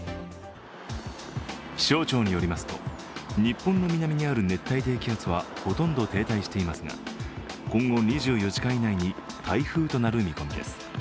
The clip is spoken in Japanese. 気象庁によりますと、日本の南にある熱帯低気圧はほとんど停滞していますが、今後２４時間以内に台風となる見込みです。